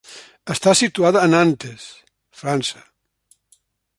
Està situada a Nantes, França.